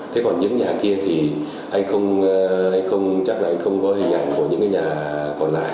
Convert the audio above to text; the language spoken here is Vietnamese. thế còn những nhà kia thì anh không anh không chắc là anh không có hình ảnh của những cái nhà còn lại